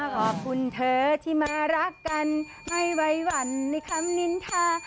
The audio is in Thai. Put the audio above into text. ขอบคุณเธอที่มารักกันไม่ไว้หวั่นในคำนินทา